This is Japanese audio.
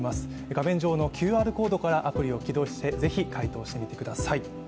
画面上のＱＲコードからアプリを起動してぜひ回答してみてください。